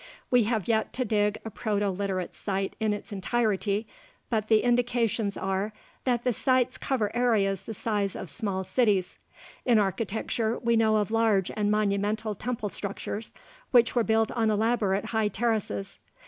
We have yet to dig a Proto Literate site in its entirety, but the indications are that the sites cover areas the size of small cities. In architecture, we know of large and monumental temple structures, which were built on elaborate high terraces.